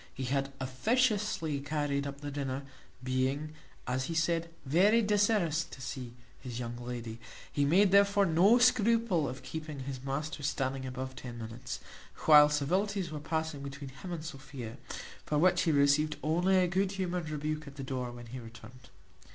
He had officiously carried up the dinner, being, as he said, very desirous to see his young lady; he made therefore no scruple of keeping his master standing above ten minutes, while civilities were passing between him and Sophia, for which he received only a good humoured rebuke at the door when he returned.